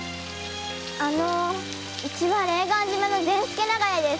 あの家は霊岸島の善助長屋です。